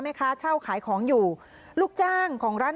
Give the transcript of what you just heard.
ทำไมช่าของจะรับภาษาละ